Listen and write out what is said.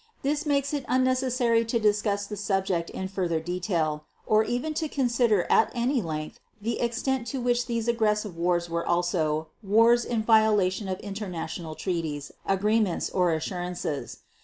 This makes it unnecessary to discuss the subject in further detail, or even to consider at any length the extent to which these aggressive wars were also "wars in violation of international treaties, agreements, or assurances."